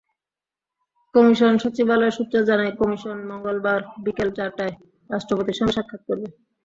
Commission সচিবালয় সূত্র জানায়, কমিশন মঙ্গলবার বিকেল চারটায় রাষ্ট্রপতির সঙ্গে সাক্ষাত্ করবে।